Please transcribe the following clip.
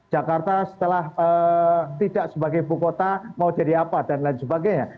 jakarta setelah tidak sebagai ibu kota mau jadi apa dan lain sebagainya